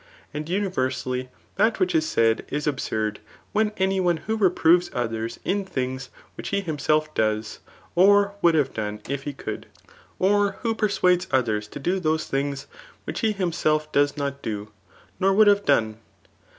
And universally, that which is said is absurd, when any oiie reproves others in things which he himself does, or would have done j^if . he could y} or who pervades others to do those things which he himself does not do, nor would have done.